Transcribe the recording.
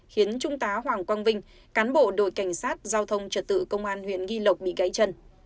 khiến trung tá hoàng quang vinh cán bộ đội cảnh sát giao thông trật tự công an huyện nghi lộc bị gãy chân